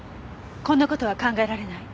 こんな事は考えられない？